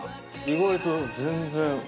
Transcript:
意外と全然平気。